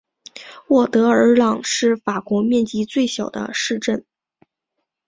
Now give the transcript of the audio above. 沃德尔朗是法国面积最小的市镇。